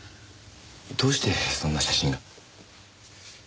どうしてそんな写真が？